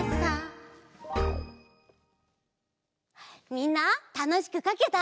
みんなたのしくかけた？